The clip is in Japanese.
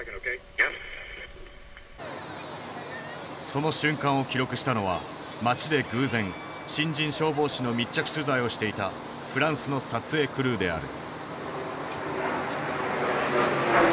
その瞬間を記録したのは街で偶然新人消防士の密着取材をしていたフランスの撮影クルーである。